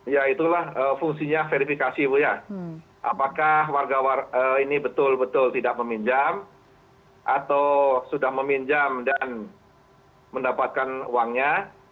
ya itulah fungsinya verifikasi bu ya apakah warga ini betul betul tidak meminjam atau sudah meminjam dan mendapatkan uangnya